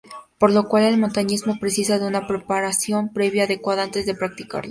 Por lo cual, el montañismo precisa de una preparación previa adecuada antes de practicarlo.